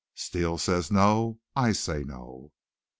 Steele says no. I say no."